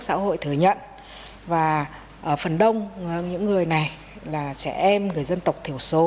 xã hội thừa nhận và ở phần đông những người này là trẻ em người dân tộc thiểu số